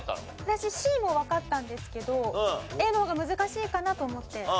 私ＣもわかったんですけどＡの方が難しいかなと思って。